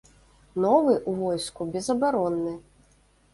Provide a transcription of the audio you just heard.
Новы ў войску безабаронны.